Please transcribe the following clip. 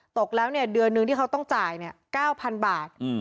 ตกแล้วเดือนหนึ่งที่เขาต้องจ่าย๙๐๐บาท